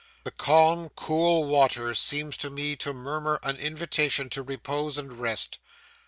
'The calm, cool water seems to me to murmur an invitation to repose and rest.